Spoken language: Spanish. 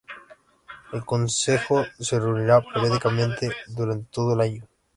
El Consejo se reunirá periódicamente durante todo el año.